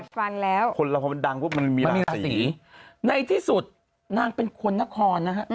แต่ฟันแล้วคนเราพอมันดังพอมันมีราศรีมันมีราศรีในที่สุดนางเป็นคนนครนะฮะ